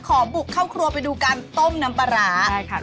ขอบุกเข้าครัวไปดูการต้มน้ำปลาร้าใช่ค่ะ